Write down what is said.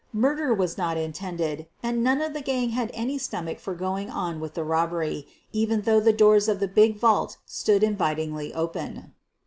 Murder was not intended, and none of the gang had any stomach for going on with the robbery, even though the doors of the big vault stood invitingly open.